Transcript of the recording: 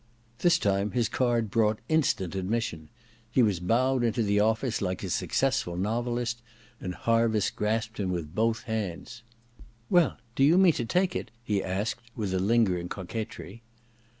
This time his card brought instant admission. ■ I II THE DESCENT OF MAN 13 He was bowed into the office like a successful novelist, and Harviss grasped him with both hands. ^ Well — do you mean to take it ?' he asked with a lingering coquetry.